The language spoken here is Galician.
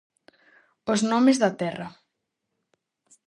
Os nomes da terra.